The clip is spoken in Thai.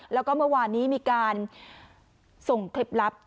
แล้วก็เมื่อวานนี้มีการส่งเคล็ดลับ